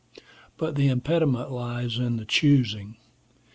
But the impediment lies in the choosing.